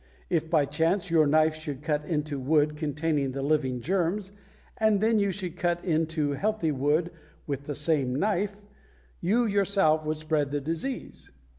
If by chance your knife should cut into wood containing the living germs, and then you should cut into healthy wood with the same knife, you yourself would spread the disease.